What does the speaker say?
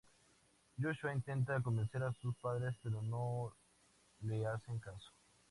Joshua intenta convencer a sus padres, pero no le hacen caso.